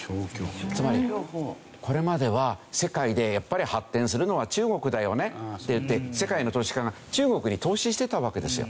つまりこれまでは世界でやっぱり発展するのは中国だよねっていって世界の投資家が中国に投資してたわけですよ。